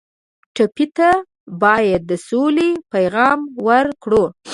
ټپي ته باید د سولې پیغام ورکړو.